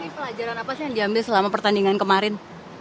ini pelajaran apa sih yang diambil selama pertandingan kemarin